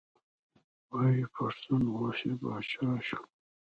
وایي پښتون اوس یې پاچا شو.